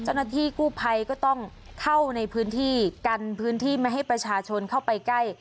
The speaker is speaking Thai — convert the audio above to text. เจ้าหน้าที่กู้ภัยก็ต้องเข้าในพื้นที่กันพื้นที่ไม่ให้ประชาชนเข้าไปใกล้